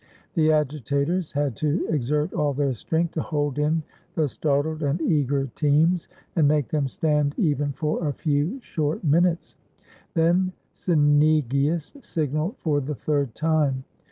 The agitatores had to exert all their strength to hold in the startled and eager teams, and make them stand even for a few short minutes ; then Cynegius signaled for the third time.